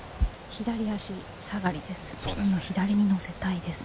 左足下がりです。